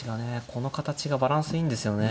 この形がバランスいいんですよね。